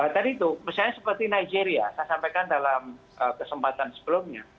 tadi itu misalnya seperti naigeria saya sampaikan dalam kesempatan sebelumnya